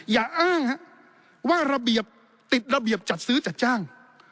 อย่าอ้างว่าระเบียบติดระเบียบจัดซื้อจัดจ้าง